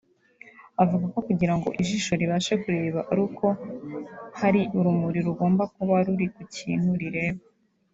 Avuga ko kugira ngo ijisho ribashe kureba ari uko hari urumuri rugomba kuba ruri kukintu rireba